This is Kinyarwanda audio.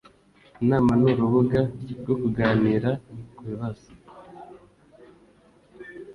inama ni urubuga rwo kuganira ku bibazo